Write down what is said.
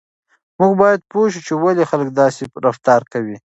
موږ باید پوه شو چې ولې خلک داسې رفتار کوي.